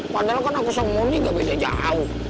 padahal kan aku sama mondi ga beda jauh